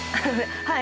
はい。